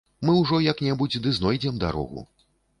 - Мы ўжо як-небудзь ды знойдзем дарогу